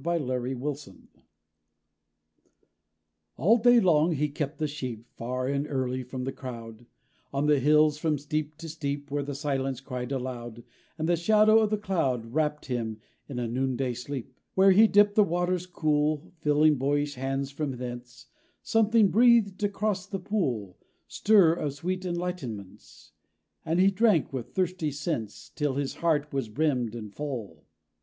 '_ THE PROPHET All day long he kept the sheep: Far and early, from the crowd, On the hills from steep to steep, Where the silence cried aloud; And the shadow of the cloud Wrapt him in a noonday sleep. Where he dipped the water's cool, Filling boyish hands from thence, Something breathed across the pool Stir of sweet enlightenments; And he drank, with thirsty sense, Till his heart was brimmed and full.